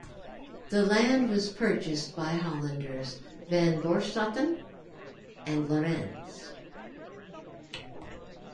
The land was purchased by Hollanders, Van Boeschoten and Lorentz.